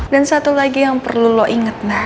dan satu lagi yang perlu lo inget mbak